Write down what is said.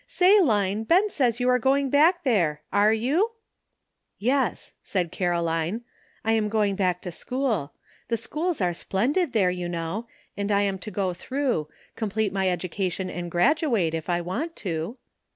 *'Say, Line, Ben says you are going back' there. Are you?" "Yes,'* said Caroline ; "I am going back to school. The schools are splendid there, you know, and I am to go through ; complete my education and graduate, if I want to."